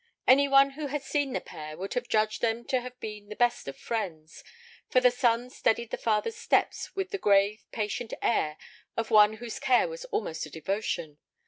Any one who had seen the pair would have judged them to have been the best of friends, for the son steadied the father's steps with the grave, patient air of one whose care was almost a devotion.